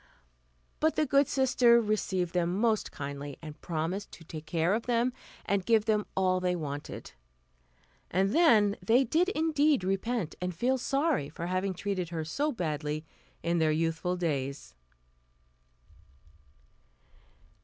But the good sister received them most kindly, and promised to take care of them and give them all they wanted. And then they did indeed repent and feel sorry for having treated her so badly in their youthful days.